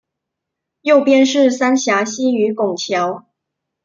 右边是三峡溪与拱桥